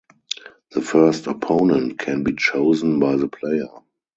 The first opponent can be chosen by the player.